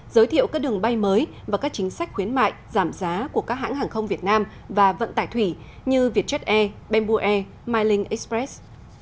giới thiệu các đường bay mới và các chính sách khuyến mại giảm giá của các hãng hàng không việt nam và vận tải thủy như vietjet air bamboo air miling express